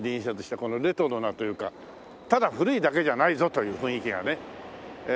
このレトロなというかただ古いだけじゃないぞという雰囲気がねしますね。